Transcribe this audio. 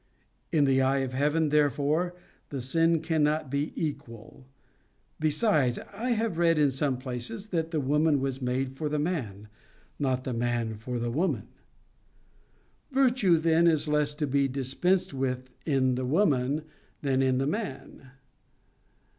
In the eye of Heaven, therefore, the sin cannot be equal. Besides I have read in some places that the woman was made for the man, not the man for the woman. Virtue then is less to be dispensed with in the woman than in the man.